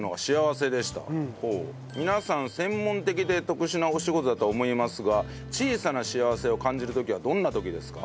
皆さん専門的で特殊なお仕事だと思いますが小さな幸せを感じる時はどんな時ですか？